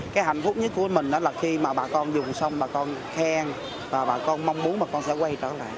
cái hạnh phúc nhất của mình đó là khi mà bà con dùng xong bà con khen và bà con mong muốn bà con sẽ quay trở lại